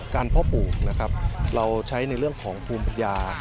พ่อปลูกนะครับเราใช้ในเรื่องของภูมิปัญญา